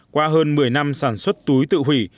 qua hơn một mươi năm sản xuất túi tự hủy